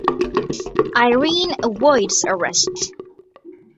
Irene avoids arrest.